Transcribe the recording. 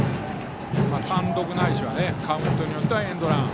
単独ないしはカウントによってはエンドラン。